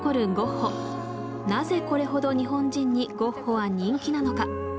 なぜこれほど日本人にゴッホは人気なのか？